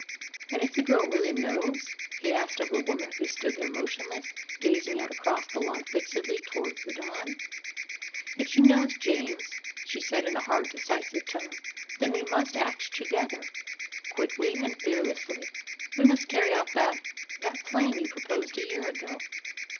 "And if the girl really knows?" he asked of the woman who stood there motionless, gazing out across the lawn fixedly towards the dawn. "If she knows, James," she said in a hard, decisive tone, "then we must act together, quickly and fearlessly. We must carry out that that plan you proposed a year ago!"